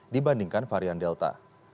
dibandingkan varian delta